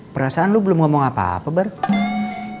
perasaan lu belum ngomong apa apa bar